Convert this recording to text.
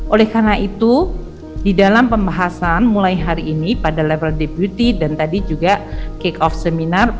oleh karena itu di dalam pembahasan mulai hari ini pada level deputi dan tadi juga kick off seminar